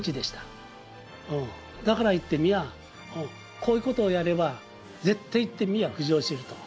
だから言ってみりゃこういうことをやれば絶対言ってみりゃ浮上すると。